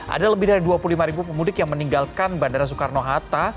ada lebih dari dua puluh lima ribu pemudik yang meninggalkan bandara soekarno hatta